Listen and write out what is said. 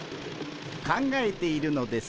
考えているのです。